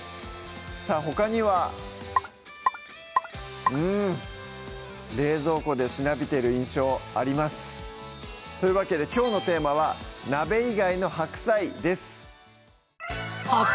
さぁほかにはうん冷蔵庫でしなびてる印象ありますというわけできょうのテーマは「鍋以外の白菜」です